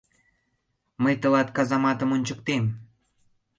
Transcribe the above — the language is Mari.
Мый тылат казаматым ончыктем!